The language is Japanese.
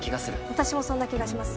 私もそんな気がします